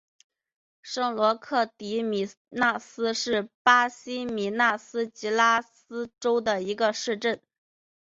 圣罗克迪米纳斯是巴西米纳斯吉拉斯州的一个市镇。